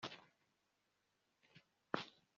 ngo ejo nk'iki gihe azohereza abagaragu be